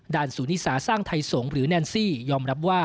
ศูนย์นิสาสร้างไทยสงฆ์หรือแนนซี่ยอมรับว่า